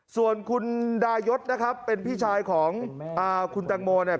ส่วนคุณดายศนะครับเป็นพี่ชายของคุณตังโมเนี่ย